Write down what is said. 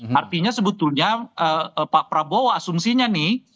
artinya sebetulnya pak prabowo asumsinya nih